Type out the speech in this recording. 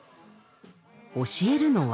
教えるのは。